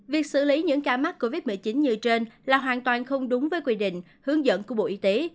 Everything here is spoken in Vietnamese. việc xử lý những ca mắc covid một mươi chín như trên là hoàn toàn không đúng với quy định hướng dẫn của bộ y tế